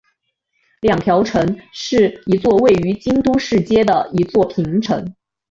二条城是一座位于京都市街的一座平城。